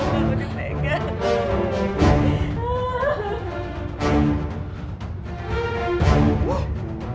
jangan mau dipegang